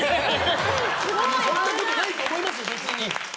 そうじゃないと思いますよ別に。